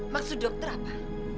maksud dokter apa